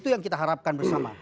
itu yang kita harapkan bersama